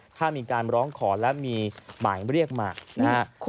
ถ้ามีการร้องขอและมีหมายเรียกมานะครับ